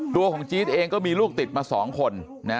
ตัวของจี๊ดเองก็มีลูกติดมา๒คน